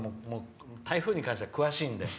台風に関しては僕、詳しいので。